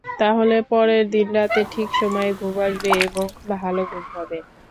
তাহলে পরের দিন রাতে ঠিক সময়ে ঘুম আসবে এবং ভালো ঘুম হবে।